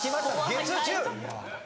月１０。